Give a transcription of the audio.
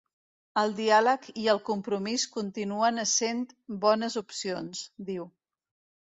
El diàleg i el compromís continuen essent bones opcions, diu.